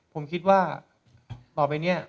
ผมคิดว่าต่อไปเนี่ย